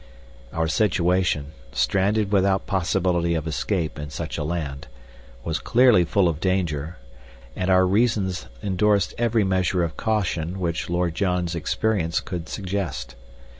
Our situation, stranded without possibility of escape in such a land, was clearly full of danger, and our reasons endorsed every measure of caution which Lord John's experience could suggest.